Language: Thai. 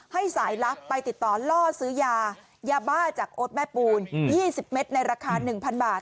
ให้สายลักษณ์ไปติดต่อล่อซื้อยายาบ้าจากโอ๊ดแม่ปูนยี่สิบเม็ดในราคาหนึ่งพันบาท